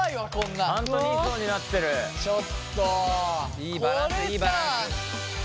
いいバランスいいバランス。